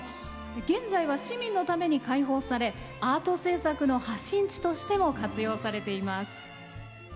現在は市民のために開放されアート制作の発信地としても活用されています。